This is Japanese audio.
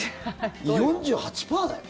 ４８％だよ？